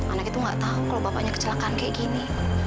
anak itu nggak tahu kalau bapaknya kecelakaan kayak gini